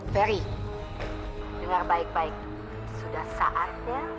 ferry dengar baik baik sudah saatnya